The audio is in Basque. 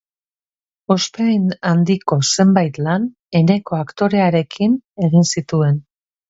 Ospe handiko zenbait lan Eneko aktorearekin egin zituen.